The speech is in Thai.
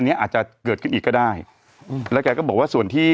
เนี้ยอาจจะเกิดขึ้นอีกก็ได้อืมแล้วแกก็บอกว่าส่วนที่